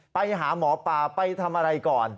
ไปหาหมอปลาไปทำอะไรก่อน